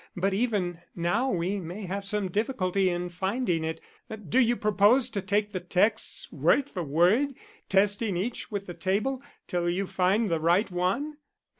But even now we may have some difficulty in finding it. Do you propose to take the texts word for word, testing each with the table, till you find the right one?"